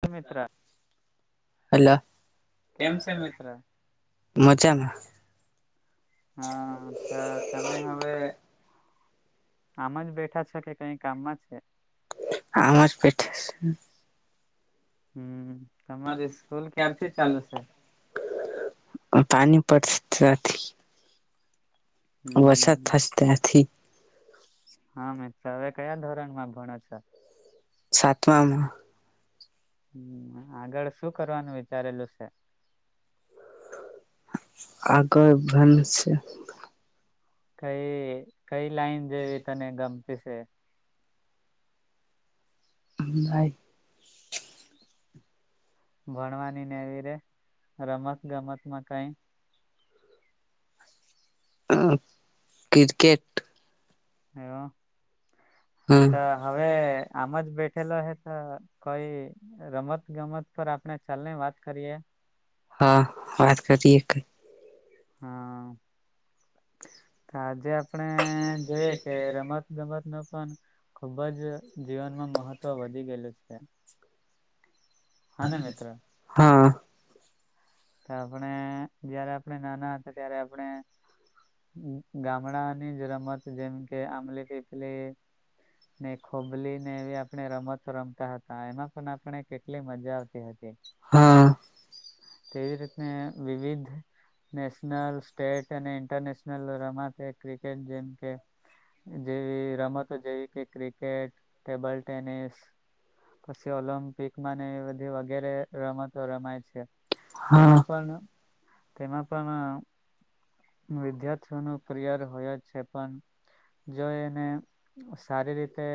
હ મિત્ર અલા. કેમ છે મિત્ર મજામાં હમ્મ ત તમે હવે. આમ જ બેઠા છો કે કઈ કામમાં છે આમ જ બેઠા છે. હમ્મ. તમારી સ્કૂલ ક્યારથી ચાલુ છે પાણી પડશે તાથી. વરસાદ હમ થસ તેનાથી. હા મી હવે કયા ધોરણમાં ભણો છો? સાતમામાં. હમ્મ. આગળ શું કરવાનું વિચારેલું સ છે. આગળ ભણ સે. કઈ કઈ લાઈન જેવી તને ગમતી છે. બાઈ ભણવાની ને એવી રે. રમત ગમતમાં કઈ. [unintelligible] કિર્કેટ [unintelligible] હા હમ તો હવે આમ જ બેઠેલો હે તો કોઈ રમત ગમત પર આપ પણે ચાલને વાત કરીએ. હા વાત કરીએ ક. હા. આજે આપણે જોઈએ કે રમત ગમતનું પણ ખુબ જ જીવનમાં મહત્વ વધી ગેલુ છે. હા ને હાને મિત્ર હા. તો આપણે જયારે આપણે નાના હતા ત્યારે આપણે ગામડાની જ રમત જેમ કે આમલી એ પલે ને ખોબલીને એવી આપણે રમતો રમતા હતા, એમાં પણ આપણે કેટ હા. તેવી રીત તે વિવિધ નેશનલ, સ્ટેટ અને ઇન્ટરનેશનલ રમતે ક્રિકેટ જેમ કે, જેવી રમતો જેવી કે ક્રિકેટ, ટેબલ ટેનિસ, પછી ઓલમ્પિક મને એ બધી વગેરે રમતો રમાય છે. તેમાં પણ [inaudible] વિદ્યાર્થીઓ નો કરિયર હોય જ છે, પણ જો એને સારી રીતે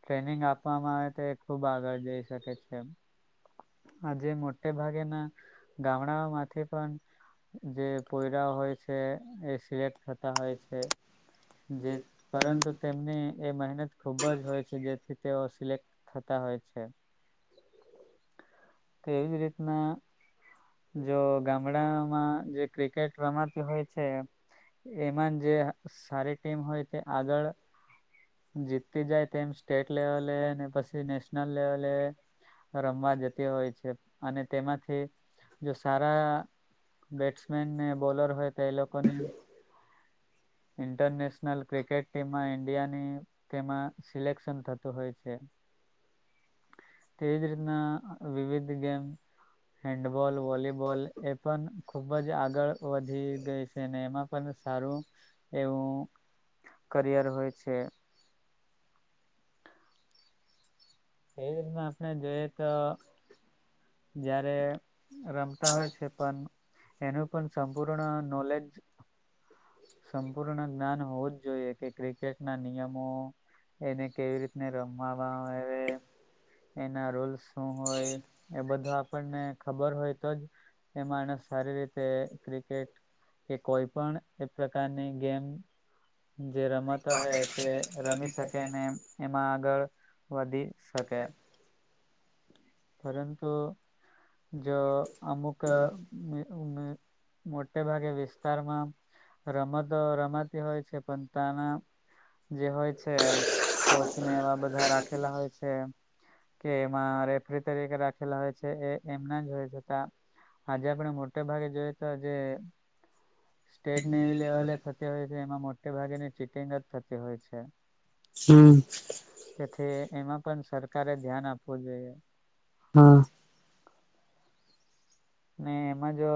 ટ્રેનિંગ આપવામાં આવે તો એ ખુબ આગળ જઈ શકે છે. તેમ. આજે મોટે ભાગેના ગામડાઓમાંથી પણ, જે પોયરાઓ હોય છે, એ સિલેક્ટ થતા હોય છે. જે પરંતુ તેમની એ મહેનત ખૂબ જ હોય છે જેથી તેઓ સિલેક્ટ થતા હોય છે. તો એવી જ રીતના જો ગામડામાં જે ક્રિકેટ રમાતી હોય છે, એમાં જે સારી ટીમ હોય તે આગળ જીતતી જાય તેમ સ્ટેટ લેવલે એ ને પછી નેશનલ લેવલે એ રમવા જતી હોય છે અને તેમાંથી જો સારા બેટસમેન ને બોલર હોય તો એ લોકોને ઇન્ટરનેશનલ ક્રિકેટ ટીમમાં ઈન્ડિયાની તેમાં સિલેક્શન થતું હોય છે. તેવીજ રીતના વિવિધ ગેમ હેન્ડબોલ, વોલીબોલ એ પણ ખુબ જ આગળ વધી ગઈ છે અને એમાં પણ સારું એવું કરિયર હોય છે. એ રીતના આપણે જોઈએ તો જારે રમતા હોય છે પણ એનું પણ સંપૂર્ણ નોલેજ સંપૂર્ણ જ્ઞાન હોવું જ જોઈએ કે ક્રિકેટ ના નિયમો એને કેવી રીતને રમવામાં આવે એના રૂલ્સ શું હોય એ બધું આપણને ખબર હોય તો જ એ માણસ સારી રીતે ક્રિકેટ કે કોઈ પણ પ્રકારની ગેમ જે રમતો હો તે રમી શકે અનેને એમાં આગળ વધી હતા. પરંતુ જો અમુક મી મી મોટે ભાગે વિસ્તારમાં રમતો રમાતી હોય છે પણ ત્યાના જે હોય છે. એમ કોચને એવા બધા રાખેલા હોય છે કે એમાં રેફ તરીકે રાખેલા હોય છે. એ એમના જ હોય છે. તા આજે આપણે મોટે ભાગે જોય તો આજે સ્ટેટ ની લેવલે થતી હોય છે એમાં મોટે ભાગેની ચીટિંગ જ થતી હોય છે. હમ તેથી એમાં પણ સરકારે ધ્યાન આપવું જોઈએ. હા. ને એમ જ અ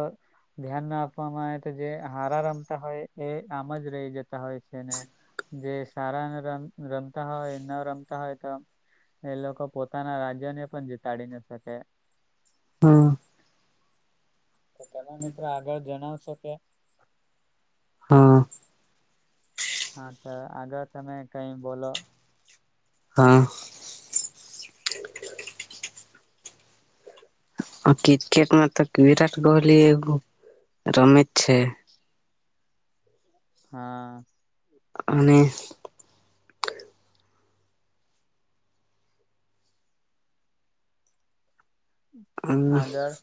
ધ્યાન ન આપવામાં આવે તો જે હારા રમતા હોય એ આમજ રેહી જતા હોય છે. ને જે સારા રમ રમતા હોય ન રમતા હોય તો એ લોકો પોતાના રાજ્ય ને પણ જીતાડી ન શકે. હા તો તમે મિત્રો આગળ જણાવશો કે હા. હા તો આગળ તમે કઈ બોલો હા. ક્રિકેટમાં તો વિરાટ કોહલી રમે જ છે. હા. અને અન. આગળ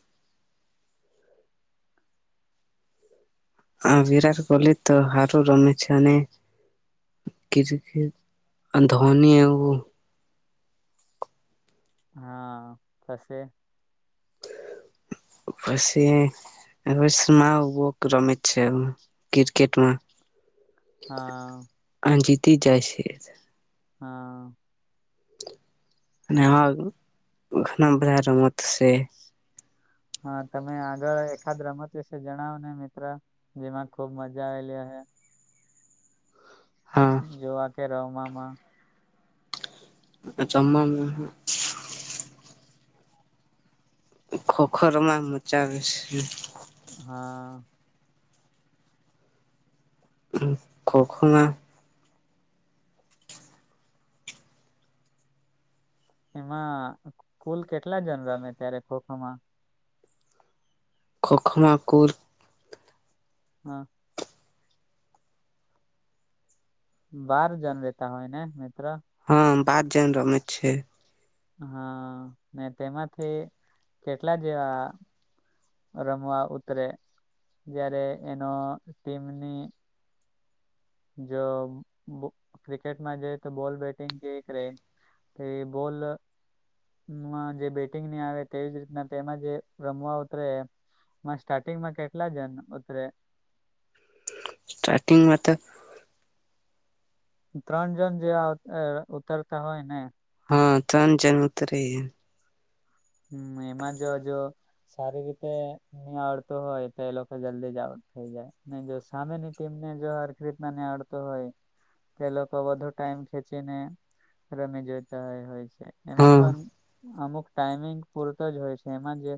આ વિરાટ કોહલી તો હારું રમે છે અને ક્રિકેટ અને ધોની એવું હા કશે ફશે વસમાં ઓબોક રમે જ છે એમ ક્રિકટીમાં. હા એ જાય છે [unintelligible] ને હા લખનઉ ગયા છે [unintelligible] હા તમે આગળ એકખાદ રમત વિશે જણાવો ને મિત્ર જેમાં ખુબ મજા આવેલી હ હા જોવા કે રમવામાં માં તો જમવામા [inaudible] ખોખો રમવામા મજા આવે છે. હા હ ખોખો ના એમાં કૂલ કેટ કેટલા જણ રમે ત્યારે ખોખોમાં ખોખોમાં કુલ હા બાર જણ રહેતા હોય ને મિત્ર આઠ જણ રમે છે હા ને તેમાંથી કેટલાક એવા રમવા ઉતરે જ્યારે એનો ટીમની જ ક્રિકેટમાં જઇએ તો બોલ બેટીંગ જે કરે એ બોલ તેવી જ રીતના તેમાં જે રમવા ઉતરે એમાં સ્ટાર્ટિંગમાં કેટલા જણ ઉતરે [inaudible] સ્ટાર્ટિંગ મા તો ત્રણ જણ જેવા ઉતરે ઉતરતા હોય ને હા ત્રણ જણ ઉતરે હમ એમાં જો જો સારી રીતે નિહાડતો હોય તો એ લોકો જલ્દી જ આઉટ થઈ જાય જો સામેની ટીમને જો હ ખરીતના નિહળતો હોય તો એ લોકો વધુ ટાઈમ ખેચીને રમી જોતા હોય છે એમાં હા પણ અમુક પૂરતો જ હોય છે એમાં જે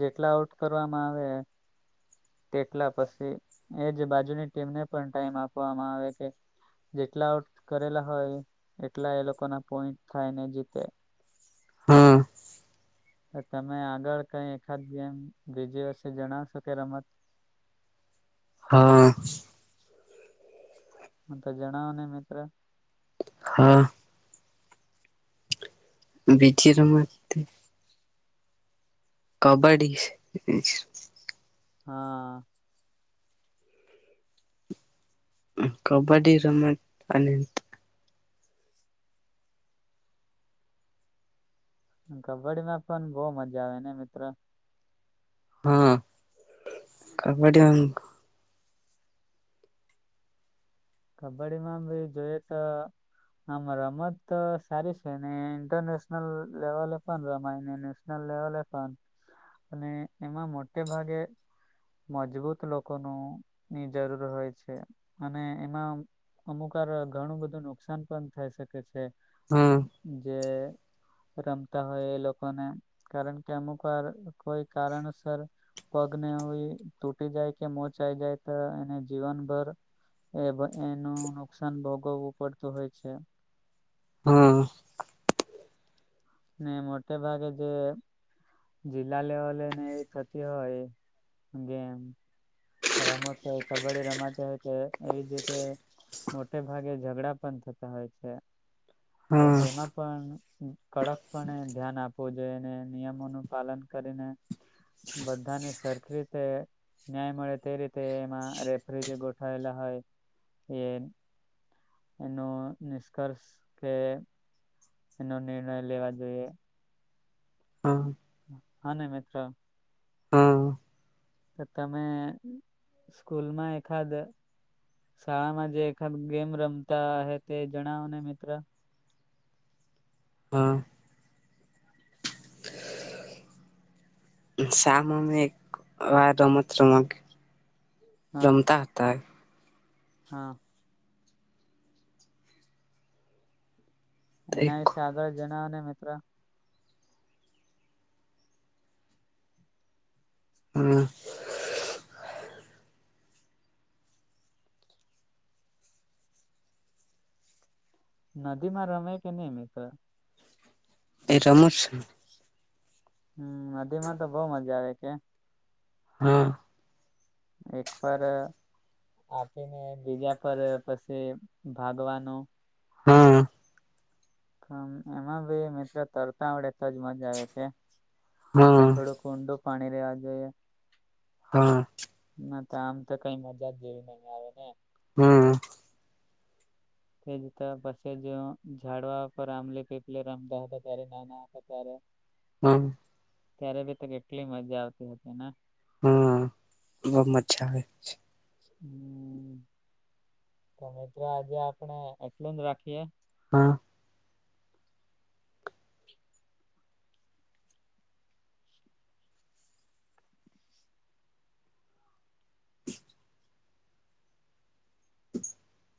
જેટલા આઉટ કરવામાં આવે તેટલા પછી એ જ બાજુની ટીમને પણ ટાઈમ આપવામાં આવે કે જેટલા આઉટ કરેલા હોય એટલા એ લોકો ના પોઈન્ટ થાયને જીતે હા તો તમે આગળ કઈ એકાદ જેમ કઇ જે હશે જણાવશે તે રમત હા પોતે જણાવોને મિત્ર હા બીજી રમત કબડી [inaudible] હા કબ્બડી રમત અને કબડ્ડી માં પણ બહુ મજા આવે ને મિત્ર હા કબડ્ડી કબડ્ડીમાં બી જોઈએ તો આમ રમત સારી છે ને ઇન્ટરનેશનલ લેવલે પણ રમાયને નેશનલ લેવલે પણ અને એમાં મોટે ભાગે મજબૂત લોકોનું ની જરૂર હોય છે અને એમાં અમુક વાર ઘણું બધું નુકસાન પણ થાય શકે છે હા જે રમતા હોય એ લોકોને કારણ કે અમુક વાર કોઈ કારણસર પગને તૂટી જાય કે મોચ આઇ જાય તો એને જીવનભર એ એનું નુકસાન ભોગવવું પડતું હોય છે હા ને મોટે ભાગે જે જિલ્લા લેવલેને એવી થતી હોય ગેમ રમતો હોય કબડ્ડી રમાતી હોય તો એવી જગ્યાએ મોટે ભાગે ઝઘડા પણ થતા હોય છે તો હા એમાં પણ કડક અને ધ્યાન આપવો જોઈએ એને નિયમોનું પાલન કરીને બધાને સરખી રીતે ન્યાય મળે તે રીતે એમાં રેફરીજી ગોઠેલા હોય એ એનો નિષ્કર્ષ કે એનો નિર્ણય લેવા જોઈએ હા હા ને મિત્ર હા તો તમે સ્કૂલમાં એકાદ શાળામાં જે એકાત ગેમ રમતા હ તે જણાવો ને મિત્ર હા સાળામે એક વાર રમત રમત હા રમતા હતા હા એના વિશે આગળ જણાવો ને ત્ર હમ નદી માં રમે કે ન એમ ક તે રમશ હ હમ નદીમાં તો બઉ મજા આવે કે હા એક પર આપીને બીજા પર પછી ભાગવાનો હા હા એમાં ભી મિત્ર તરતા આવડે તો જ મજા આવે કે ને હા થોડુંક ઊડું પાણી લેવા જે હા ના તો આમ તો કઈ મજા જ જેવી નહીં આવે ને હમ તે જતા પછી જ ઝાડવા પર આંબલી પીપલી રમતા હતા ત્યારે નાના હતા ત્યારે હમ ત્યારે બી તો કેટલી મજા આવતી હતી ને હા બઉ મજા આવે હ તો મિત્ર આજે આપણે એટલું જ રાખીએ હા [unintelligible] હ [inaudible]